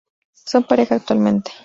Son pareja actualmente.